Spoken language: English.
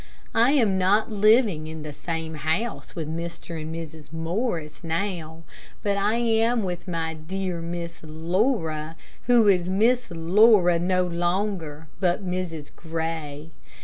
I am not living in the same house with Mr. and Mrs, Morris now, but I am with my dear Miss Laura, who is Miss Laura no longer, but Mrs. Gray.